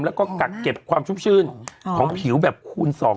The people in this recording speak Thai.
แล้วก็กักเก็บความชุ่มชื่นของผิวแบบคูณสอง